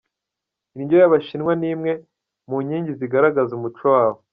Indyo y’Abashinwa ni imwe mu nkingi zigaragaza umuco wabo.